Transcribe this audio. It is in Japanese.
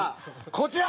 こちら！